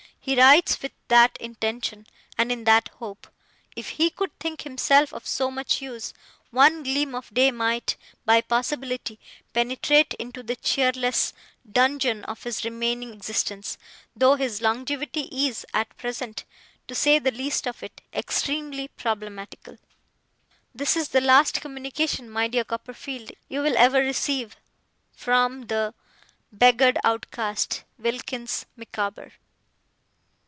He writes with that intention, and in that hope. If he could think himself of so much use, one gleam of day might, by possibility, penetrate into the cheerless dungeon of his remaining existence though his longevity is, at present (to say the least of it), extremely problematical. 'This is the last communication, my dear Copperfield, you will ever receive 'From 'The 'Beggared Outcast, 'WILKINS MICAWBER.